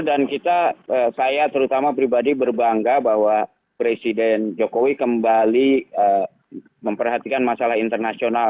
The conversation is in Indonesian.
dan saya terutama pribadi berbangga bahwa presiden jokowi kembali memperhatikan masalah internasional